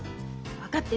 分かってる。